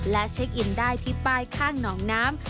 และเช็คอินได้ที่ป้ายข้างหนองน้ำ